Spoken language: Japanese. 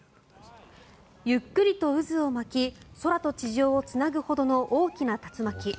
ゆっくりと渦を巻き空と地上をつなぐほどの大きな竜巻。